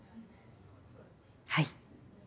はい。